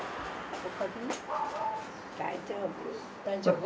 大丈夫。